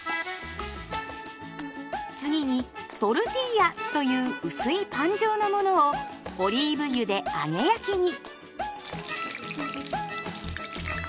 次にトルティーヤという薄いパン状のものをオリーブ油で揚げ焼きに。